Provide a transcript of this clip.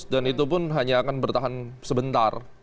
dan itu pun hanya akan bertahan sebentar